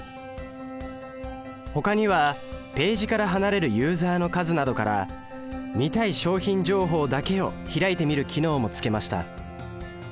ほかにはページから離れるユーザの数などから見たい商品情報だけを開いてみる機能もつけました。